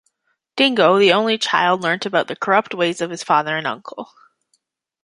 Dingo, the only child learnt about the corrupt ways of his father and uncle.